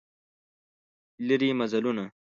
لیري مزلونه